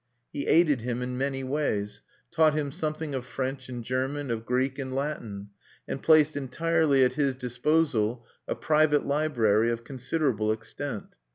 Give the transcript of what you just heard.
He aided him in many ways, taught him something of French and German, of Greek and Latin, and placed entirely at his disposal a private library of considerable extent.